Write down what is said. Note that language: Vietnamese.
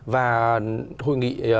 và hội nghị